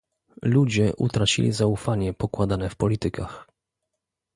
Ludzie utracili zaufanie pokładane w politykach